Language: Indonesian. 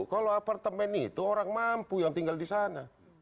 kalau apartemen itu orang mampu yang tinggal di sana